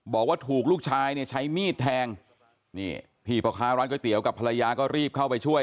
บอกว่าถูกลูกชายเนี่ยใช้มีดแทงนี่พี่พ่อค้าร้านก๋วยเตี๋ยวกับภรรยาก็รีบเข้าไปช่วย